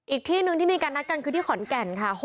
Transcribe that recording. อีกที่หนึ่งที่มีการนัดกันคือที่ขอนแก่นค่ะ